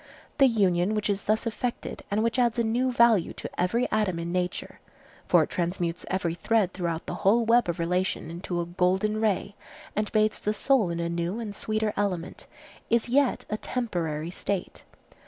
The union which is thus effected and which adds a new value to every atom in nature—for it transmutes every thread throughout the whole web of relation into a golden ray, and bathes the soul in a new and sweeter element—is yet a temporary state.